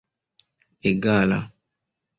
egala